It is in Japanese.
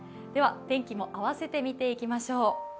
天気も併せて見ていきましょう。